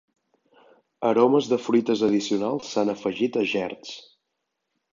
Aromes de fruites addicionals s'han afegit a gerds.